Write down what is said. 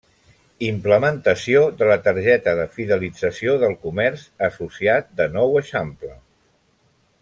Implementació de la Targeta de Fidelització del Comerç Associat de Nou Eixample.